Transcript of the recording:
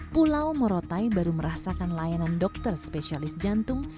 pulau morotai baru merasakan layanan dokter spesialis jantung